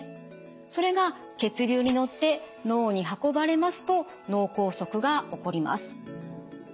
それが血流に乗って脳に運ばれますと脳梗塞が起こります。